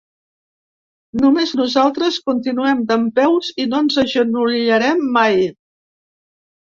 Només nosaltres continuem dempeus i no ens agenollarem mai.